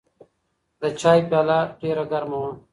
د چای پیاله ډېره ګرمه وه.